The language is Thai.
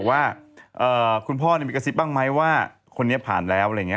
ว่าคุณพ่อมีกระซิบบ้างไหมว่าคนนี้ผ่านแล้วอะไรอย่างนี้